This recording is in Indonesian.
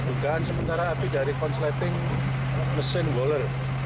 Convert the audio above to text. bukan sementara api dari konsleting mesin boiler